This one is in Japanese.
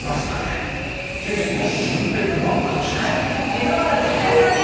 溝端淳平さんです。